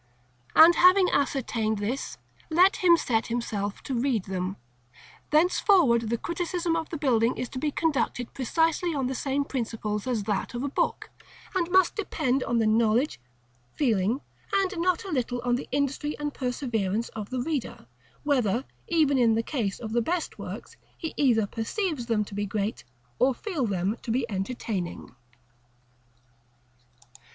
And, having ascertained this, let him set himself to read them. Thenceforward the criticism of the building is to be conducted precisely on the same principles as that of a book; and it must depend on the knowledge, feeling, and not a little on the industry and perseverance of the reader, whether, even in the case of the best works, he either perceive them to be great, or feel them to be entertaining.